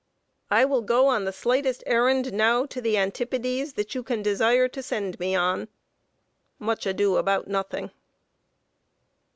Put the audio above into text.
I will go on the slightest errand now to the antipodes that you can desire to send me on. MUCH ADO ABOUT NOTHING.